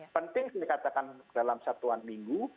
penting dikatakan dalam satuan minggu